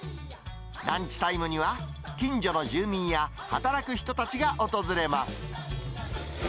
ランチタイムには近所の住民や働く人たちが訪れます。